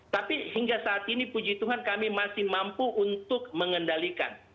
tapi hingga saat ini puji tuhan kami masih mampu untuk mengendalikan